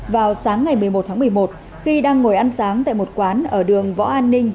vào sáng ngày một mươi một tháng một mươi một khi đang ngồi ăn sáng tại một quán ở đường võ an ninh